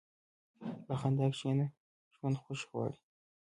په خندا کښېنه، ژوند خوښي غواړي.